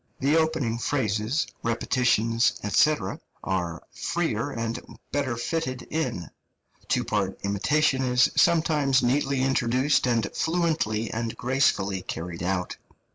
The opening phrases, repetitions, &c., are freer and better fitted in; two part imitation is sometimes neatly introduced and fluently and gracefully carried out.